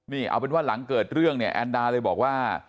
นี่เอาเป็นว่าหลังเกิดเรื่องเนี่ยแอนดาเลยบอกว่า